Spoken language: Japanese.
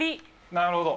なるほど。